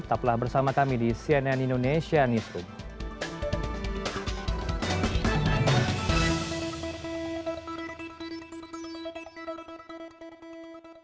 tetaplah bersama kami di cnn indonesia newsroom